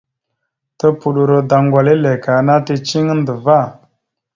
Tupoɗoro daŋgwal eleke ana ticiŋa andəva.